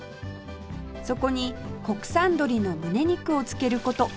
そこに国産鶏の胸肉を漬ける事ひと晩